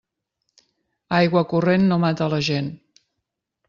Aigua corrent no mata la gent.